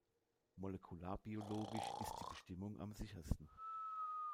Molekularbiologisch ist die Bestimmung am sichersten.